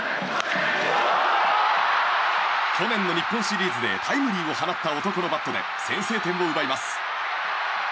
去年の日本シリーズでタイムリーを放った男のバットで先制点を奪います。